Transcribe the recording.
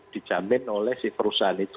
dijamin oleh si perusahaan itu